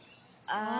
ああ！